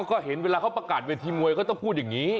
ก็เห็นเวลาเขาประกาศเวทีมวยก็ต้องพูดอย่างนี้